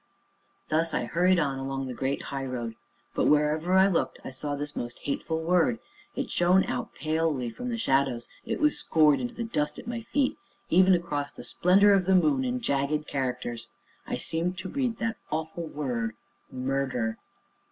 Thus I hurried on along the great highroad, but, wherever I looked, I saw this most hateful word; it shone out palely from the shadows; it was scored into the dust at my feet; even across the splendor of the moon, in jagged characters, I seemed to read that awful word: MURDER.